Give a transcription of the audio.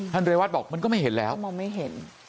ท่านเรยวัฒน์บอกมันก็ไม่เห็นแล้วมันไม่เห็น